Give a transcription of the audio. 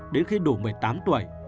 đến khi đủ một mươi tám tuổi